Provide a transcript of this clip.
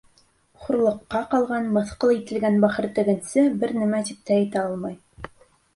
Хурлыҡҡа ҡалған, мыҫҡыл ителгән бахыр тегенсе бер нәмә тип тә әйтә алмай.